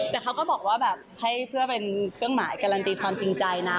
แต่เขาก็บอกว่าแบบให้เพื่อเป็นเครื่องหมายการันตีความจริงใจนะ